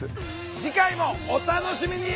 次回もお楽しみに！